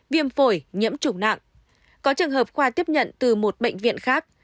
viêm phổi nhiễm chủng nặng có trường hợp khoa tiếp nhận từ một bệnh viện khác